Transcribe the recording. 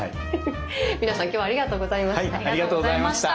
皆さん今日はありがとうございました。